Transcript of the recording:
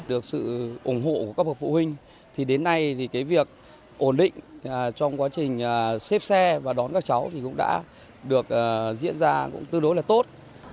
được sự ủng hộ của các bậc phụ huynh thì đến nay việc ổn định trong quá trình xếp xe và đón các cháu cũng đã diễn ra tư đối là tốt